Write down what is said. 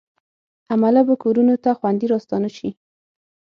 عمله به کورونو ته خوندي راستانه شي.